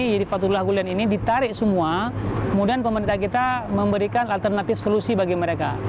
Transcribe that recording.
fatullah gulen ini ditarik semua kemudian pemerintah kita memberikan alternatif solusi bagi mereka